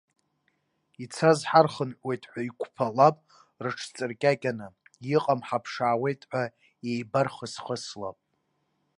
Ицаз ҳархынҳәуеит ҳәа иқәԥалап рыҽҵаркьакьаны, иҟам ҳаԥшаауеит ҳәа еибархысхылсап.